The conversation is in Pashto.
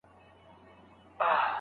په مالت کي دی ساتلی